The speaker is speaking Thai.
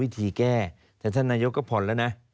ทีแก้แต่ท่านนายกก็ผ่อนแล้วนะ